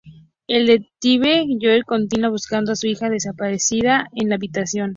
El detective Joe Miller continúa buscando a su hija desaparecida en la habitación.